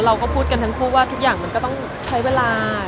เราก็พูดกันทั้งคู่ว่าทุกอย่างมันก็ต้องใช้เวลา